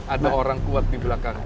ada orang kuat di belakang